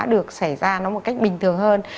được xảy ra nó một cách bình thường hơn